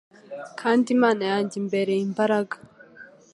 Kandi Imana yanjye imbereye imbaraga.»